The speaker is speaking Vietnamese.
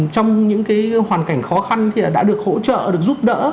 trong những hoàn cảnh khó khăn thì đã được hỗ trợ được giúp đỡ